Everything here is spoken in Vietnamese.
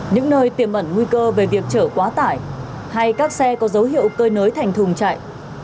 những nơi tiềm ẩn nguy cơ về việc chở quá tải hay các xe có dấu hiệu cơi nới thành thùng chạy